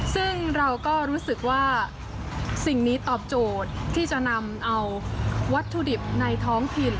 ซึ่งเราก็รู้สึกว่าสิ่งนี้ตอบโจทย์ที่จะนำเอาวัตถุดิบในท้องถิ่น